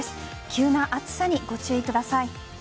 急な暑さにご注意ください。